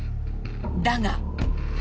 だが。